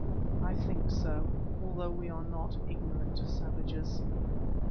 I think so, although we are not ignorant savages.